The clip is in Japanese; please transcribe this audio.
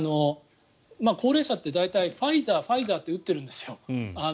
高齢者って大体ファイザー、ファイザーって打ってるんですよ。